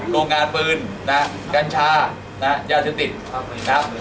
โรงงานปืนนะฮะกัญชานะฮะยาสติดครับ